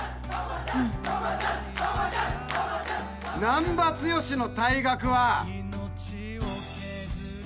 難破剛の退学は。